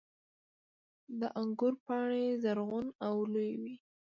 • د انګورو پاڼې زرغون او لویې وي.